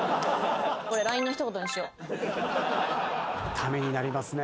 ためになりますね